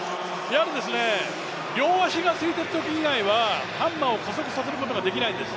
両足がついているとき以外はハンマーを加速させることができないんです。